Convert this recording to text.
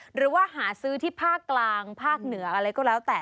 หรือว่าหาซื้อที่ภาคกลางภาคเหนืออะไรก็แล้วแต่